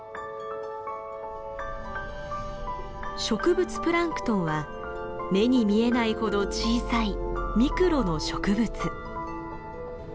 植物プランクトンは目に見えないほど小さいミクロの植物。